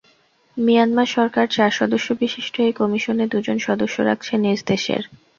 Myanmar সরকার চার সদস্যবিশিষ্ট এই কমিশনে দুজন সদস্য রাখছে নিজ দেশের।